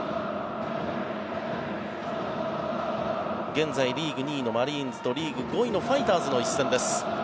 現在、リーグ２位のマリーンズとリーグ５位のファイターズの一戦です。